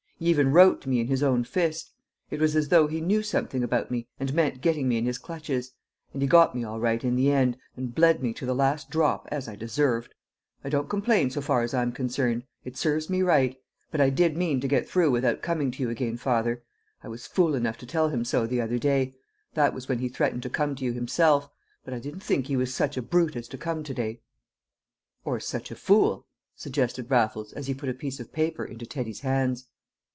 He even wrote to me in his own fist. It was as though he knew something about me and meant getting me in his clutches; and he got me all right in the end, and bled me to the last drop as I deserved. I don't complain so far as I'm concerned. It serves me right. But I did mean to get through without coming to you again, father! I was fool enough to tell him so the other day; that was when he threatened to come to you himself. But I didn't think he was such a brute as to come to day!" "Or such a fool?" suggested Raffles, as he put a piece of paper into Teddy's hands.